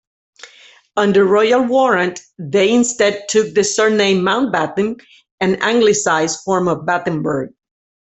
Under royal warrant, they instead took the surname "Mountbatten", an Anglicised form of Battenberg.